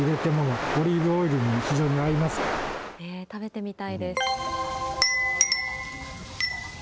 食べてみたいです。